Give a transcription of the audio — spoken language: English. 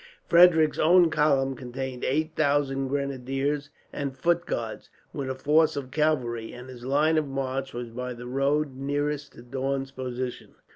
Frederick's own column contained eight thousand grenadiers and foot guards, with a force of cavalry; and his line of march was by the road nearest to Daun's position.